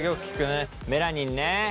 メラニンね。